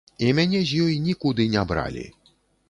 І мяне з ёй нікуды не бралі.